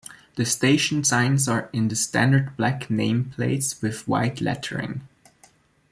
The station signs are in the standard black name plates with white lettering.